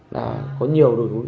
là có nhiều đồi núi